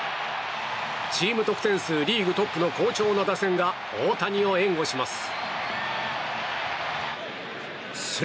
チーム得点数リーグトップの好調な打線が大谷を援護します。